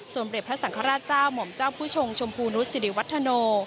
สมเด็จพระสังฆราชเจ้าหม่อมเจ้าผู้ชงชมพูนุษศิริวัฒโน